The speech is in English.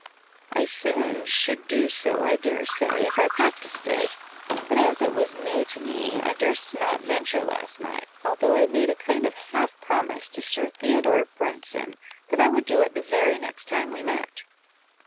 "I soon should do so, I dare say, if I practised it; but as it was new to me, I durst not venture last night, although I made a kind of half promise to Sir Theodore Branson, that I would do it the very next time we met."